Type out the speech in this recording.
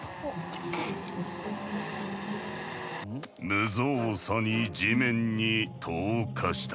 無造作に地面に投下した。